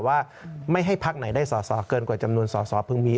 ว่าไม่ให้พักไหนได้สอสอเกินกว่าจำนวนสอสอเพิ่งมี